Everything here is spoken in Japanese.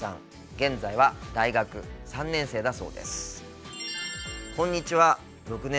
現在は大学３年生だそうです。